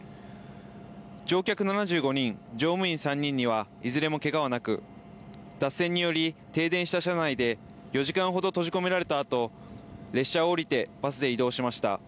乗客７５人、乗務員３人にはいずれもけがはなく脱線により停電した車内で４時間ほど閉じ込められたあと列車を降りてバスで移動しました。